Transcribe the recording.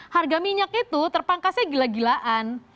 harga minyak itu terpangkasnya gila gilaan